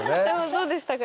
どうでしたか？